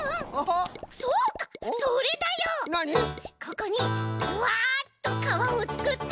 ここにグワッとかわをつくって。